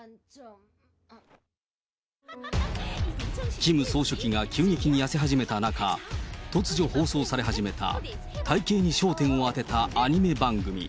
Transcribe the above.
キム総書記が急激に痩せ始めた中、突如放送され始めた、体形に焦点を当てたアニメ番組。